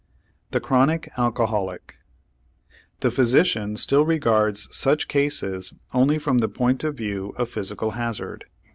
THE CHRONIC ALCOHOLIC The physician still regards such cases only from the point of view of physical hazard.